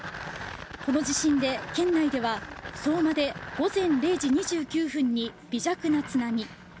この地震で県内では相馬で午前０時２９分に微弱な津波。